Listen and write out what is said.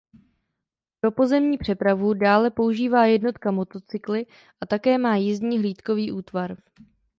Pro pozemní přepravu dále používá jednotka motocykly a také má jízdní hlídkový útvar.